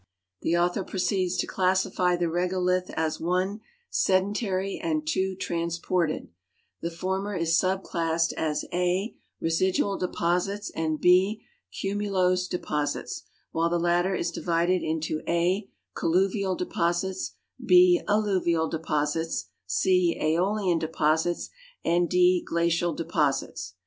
The author proceeds to classify the regolith as (1) sedentary and (2) transported; the former is subclassed as (a) re sidual deposits and (6) cumulose deposits, while the latter is divided into (a) colluvial deposits, (6) alluvial deposits, (c) feolian deposits, and {d) glacial deposits.